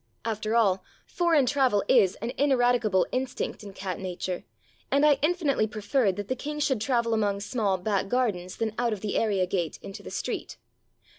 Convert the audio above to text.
After all, foreign travel is an ineradicable instinct in cat nature, and I infinitely preferred that the king should travel among small back gardens than out of the area gate into the street.